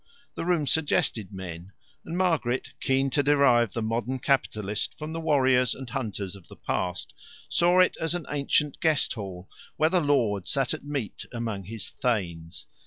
The room suggested men, and Margaret, keen to derive the modern capitalist from the warriors and hunters of the past, saw it as an ancient guest hall, where the lord sat at meat among his thanes.